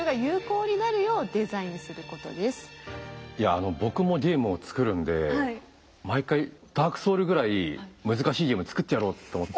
あの僕もゲームを作るんで毎回「ＤＡＲＫＳＯＵＬＳ」ぐらい難しいゲーム作ってやろうと思って。